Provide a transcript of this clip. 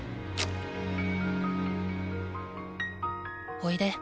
おいで。